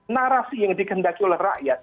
narasi yang dikendaki oleh rakyat